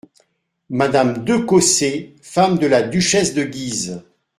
Madame DE COSSÉ , femme de la duchesse de Guise.